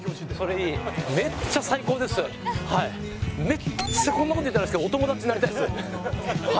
めっちゃこんな事言ったらあれですけどお友達になりたいです。